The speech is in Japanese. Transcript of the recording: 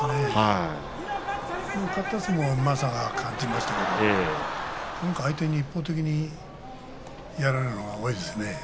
勝った相撲はうまさを感じましたけれども相手に一方的にやられるのが多いですね。